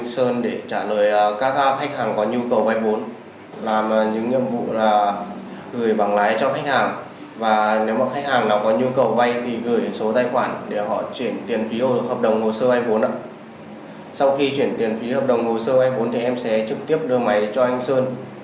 sau khi chuyển tiền phí hợp đồng hồ sơ a bốn em sẽ trực tiếp đưa máy cho anh sơn